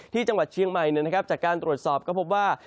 ที่จังหวัดเชียงใหม่จากการตรวจสอบก็พบว่า